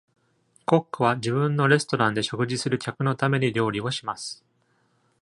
コックは、自分のレストランで食事する客のために料理をします。